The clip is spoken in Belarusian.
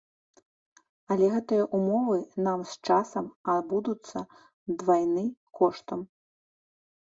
Але гэтыя ўмовы нам з часам абыдуцца двайны коштам.